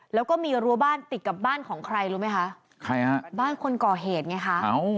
แล้วก็มีรั้วบ้านติดกับบ้านของใครรู้ไหมคะใครฮะบ้านคนก่อเหตุไงคะ